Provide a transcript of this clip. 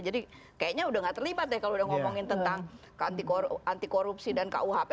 jadi kayaknya udah gak terlibat deh kalau udah ngomongin tentang anti korupsi dan kuhp